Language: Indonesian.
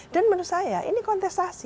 dan menurut saya ini kontestasi